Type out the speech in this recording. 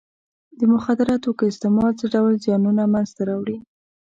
د مخدره توکو استعمال څه ډول زیانونه منځ ته راوړي.